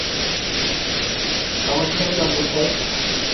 আমার থেলমা কোথায়?